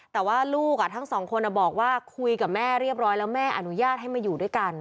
แต่ว่าลูกทั้งสองคนบอกว่าคุยกับแม่เรียบร้อยแล้วแม่อนุญาตให้มาอยู่ด้วยกัน